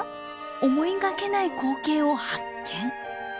思いがけない光景を発見！